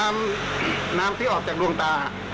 น้ำที่ออกจากดวงตา